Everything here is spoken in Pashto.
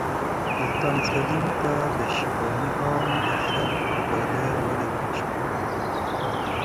سلطان سلیم ته د شیباني خان د سر ډالۍ ولېږل شوه.